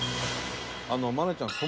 愛菜ちゃん